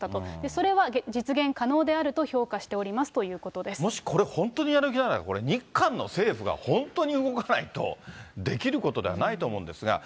それは実現可能であると評価してもし、これ、本当にやる気なら、日韓の政府が本当に動かないとできることではないと思うんですが。